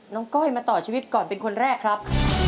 ก้อยมาต่อชีวิตก่อนเป็นคนแรกครับ